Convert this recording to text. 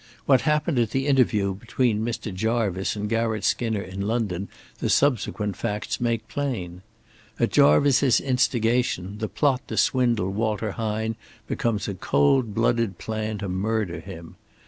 What happened at the interview between Mr. Jarvice and Garratt Skinner in London the subsequent facts make plain. At Jarvice's instigation the plot to swindle Walter Hine becomes a cold blooded plan to murder him.